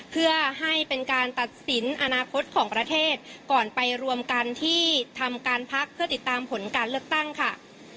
เพื่อให้เป็นการตัดสินอนาคตของประเทศก่อนไปรวมกันที่ทำการพักเพื่อติดตามผลการเลือกตั้งค่ะ